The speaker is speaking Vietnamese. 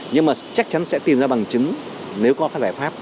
nhưng mà chắc chắn sẽ tìm ra bằng chứng nếu có các giải pháp